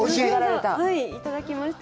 はい、いただきました。